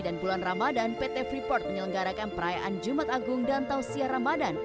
dan bulan ramadan pt freeport menyelenggarakan perayaan jumat agung dan tahu siar ramadan